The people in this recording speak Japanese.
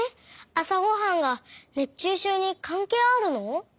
あさごはんが熱中症にかんけいあるの？